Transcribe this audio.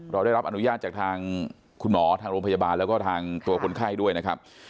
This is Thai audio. เราได้รับอนุญาตจากทางคุณหมอทางโรงพยาบาลแล้วก็ทางตัวคนไข้ด้วยนะครับ